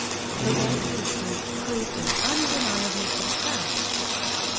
"The White Sister" proved an undeniable success.